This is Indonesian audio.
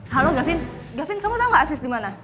halo gavin gavin kamu tau gak afif dimana